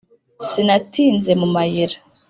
sinatinze mu mayira